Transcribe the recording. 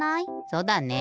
そうだね。